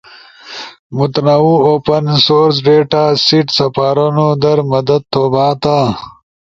متنوع اوپن سورس ڈیٹاسیٹ سپارونو در مدد تھو بھاتا۔